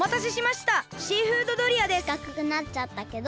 しかくくなっちゃったけど。